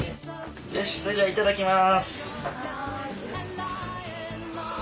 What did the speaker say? よしそれじゃあいただきます！